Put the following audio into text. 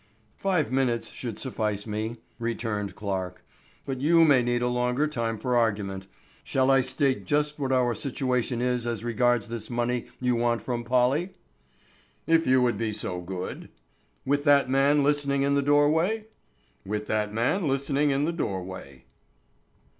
"Five minutes should suffice me," returned Clarke, "but you may need a longer time for argument. Shall I state just what our situation is as regards this money you want from Polly?" "If you will be so good!" "With that man listening in the doorway?" "With that man listening in the doorway."